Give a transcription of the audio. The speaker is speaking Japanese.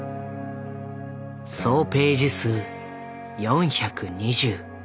総ページ数４２０。